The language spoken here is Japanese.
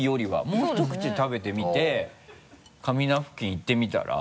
もうひと口食べてみて紙ナプキンいってみたら？